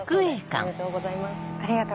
ありがとうございます。